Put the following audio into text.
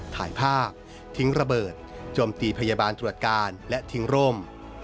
ถ่ายภาพทิ้งระเบิดโจมตีพยาบาลตรวจการและทิ้งร่ม